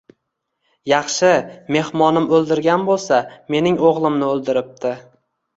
Yaxshi, mehmonim o’ldirgan bo’lsa, mening o’g’limni o’ldiribdi.